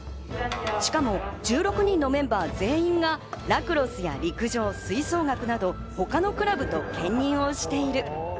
しかも１６人のメンバー全員が、ラクロスや陸上、吹奏楽など他のクラブと兼任している。